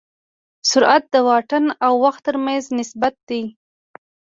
سرعت د واټن او وخت تر منځ نسبت دی.